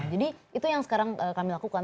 jadi itu yang sekarang kami lakukan